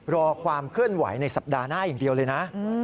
รอความเคลื่อนไหวในสัปดาห์หน้าอย่างเดียวเลยนะ